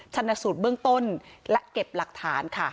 ชนสูตรเบื้องต้นและเก็บหลักฐานค่ะ